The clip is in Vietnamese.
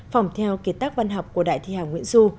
phòng theo kiệt tác văn học của đại thi hà nguyễn du